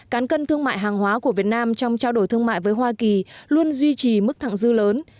cán cân thương mại hàng hóa của việt nam trong trao đổi thương mại với hoa kỳ luôn duy trì mức thẳng dư lớn